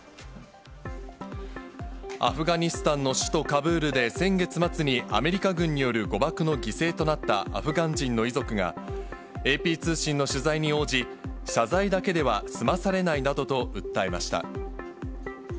アフガニスタンの首都カブールで、先月末にアメリカ軍による誤爆の犠牲となったアフガン人の遺族が、ＡＰ通信の取材に応じ、謝罪だけでは済まされないなどと訴えました。